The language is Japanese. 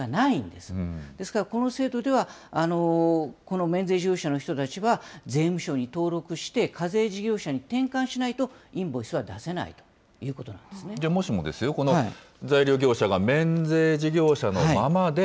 ですから、この制度では、この免税事業者の人たちは税務署に登録して、課税事業者に転換しないと、インボイスは出せないということなんもしもですよ、材料業者が免税事業者のままで、